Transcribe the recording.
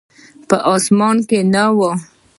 په آسیا کې نه و.